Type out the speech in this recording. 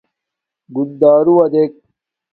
گُندݳرُوݳ دݵک.